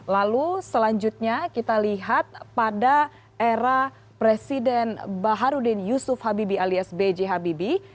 lalu selanjutnya kita lihat pada era presiden baharudin yusuf habibie alias b j habibie